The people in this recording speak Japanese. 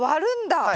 はい。